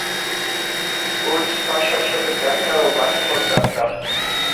Woods পাশার সহিত দেখা ও বাস্ফোর যাত্রা।